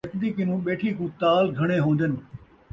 نچدی کنوں ٻیٹھی کوں تال گھݨے ہون٘دن